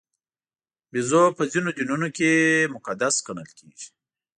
بیزو په ځینو دینونو کې مقدس ګڼل کېږي.